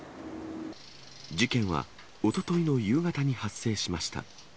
事件はおとといの夕方に発生しました。